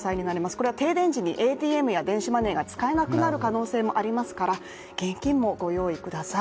これは停電時にＡＴＭや電子マネーが使えなくなる可能性もありますから現金もご用意ください。